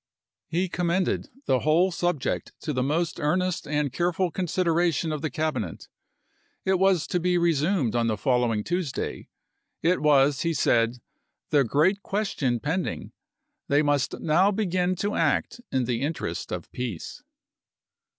He commended the whole subject to the chap. xiv. most earnest and careful consideration of the Cabinet; it was to be resumed on the following Tuesday ; it was., he said, the great question pend ing — they must now begin to act in the interest of peace.